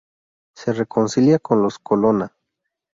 Se reconcilia con los Colonna.